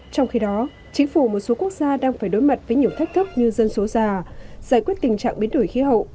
trong khi đó chính phủ một số quốc gia đang phải đối mặt với nhiều thách thức như dân số già giải quyết tình trạng biến đổi khí hậu